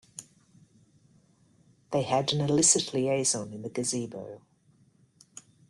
They had an illicit liaison in the gazebo.